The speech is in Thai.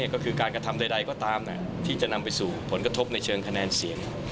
ก็คือการกระทำใดก็ตามที่จะนำไปสู่ผลกระทบในเชิงคะแนนเสียง